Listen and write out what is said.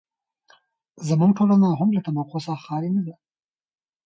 زموږ ټولنه هم له طبقو څخه خالي نه ده.